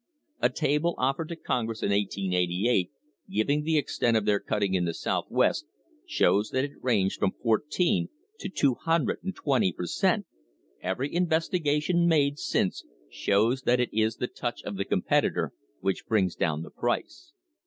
A table offered to Congress in 1888, giving the extent of their cutting in the Southwest, shows that it ranged from 14 to 220 per cent. Every investigation made since shows that it is the touch of the competitor which brings down the price.